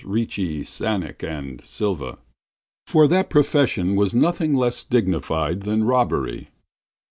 Ricci, Czanek and Silva, for that profession was nothing less dignified than robbery.